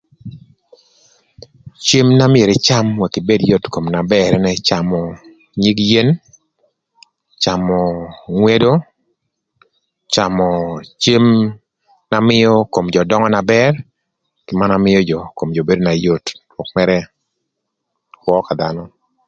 Cem na myero ïcam ëk ibed kï yot na bër ënë, camö nyig yen, camö ngwedo, camö cem na mïö kom jö döngö na bër kï man amïö jö kom jö bedo na yot rwök mërë ï kwö ka dhanö.